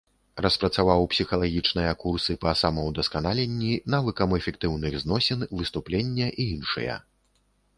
Распрацаваў псіхалагічныя курсы па самаўдасканаленні, навыкам эфектыўных зносін, выступлення і іншыя.